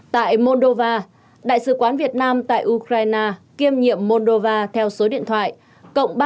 tại moldova đại sứ quán việt nam tại ukraine kiêm nhiệm moldova theo số điện thoại cộng ba mươi tám nghìn sáu mươi ba tám trăm sáu mươi ba tám nghìn chín trăm chín mươi chín